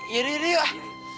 yaudah yaudah yaudah